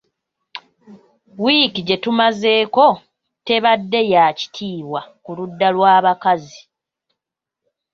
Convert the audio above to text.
Wiiki gye tumazeeko tebadde ya kitiibwa ku ludda lwa bakazi.